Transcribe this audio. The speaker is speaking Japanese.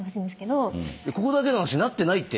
ここだけの話になってないって。